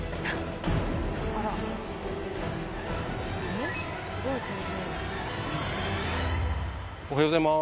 ・えっすごい登場。